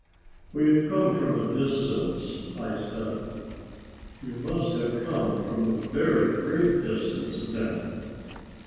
"We've come from a distance," I said. "You must have come from a very great distance, then?"